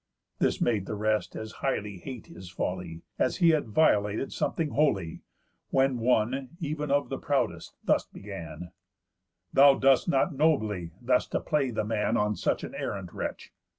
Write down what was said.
This made the rest as highly hate his folly, As he had violated something holy. When one, ev'n of the proudest, thus began: "Thou dost not nobly, thus to play the man On such an errant wretch.